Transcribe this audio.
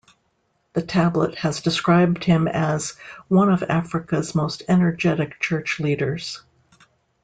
"The Tablet" has described him as "one of Africa's most energetic church leaders".